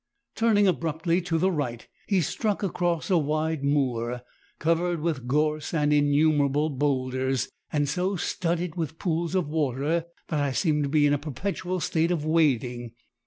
"Turning abruptly to the right he struck across a wide moor covered with gorse and innumerable boulders, and so studded with pools of water that I seemed to be in a perpetual state of wading.